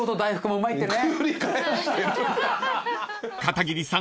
［片桐さん